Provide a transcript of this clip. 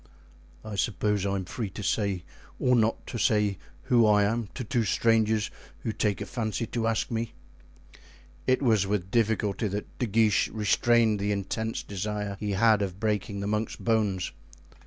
"I suppose I am free to say or not to say who I am to two strangers who take a fancy to ask me." It was with difficulty that De Guiche restrained the intense desire he had of breaking the monk's bones.